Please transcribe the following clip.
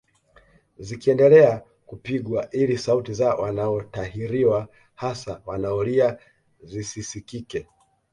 Zikiendelea kupigwa ili sauti za wanaotahiriwa hasa wanaolia zisisikike